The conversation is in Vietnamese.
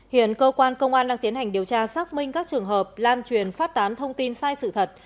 hiện cơ quan công an đang tiến hành điều tra xác minh các trường hợp lan truyền phát tán thông tin sai sự thật